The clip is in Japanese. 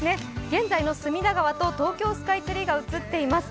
現在の隅田川と東京スカイツリーが映っています。